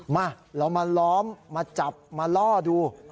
มาเรามาล้อมมาจับมาล่อดู